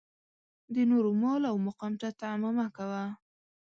د نورو مال او مقام ته طمعه مه کوه.